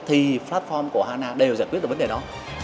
thì platform của hana đều giải quyết được vấn đề đó